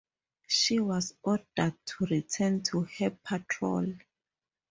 She was ordered to return to her patrol.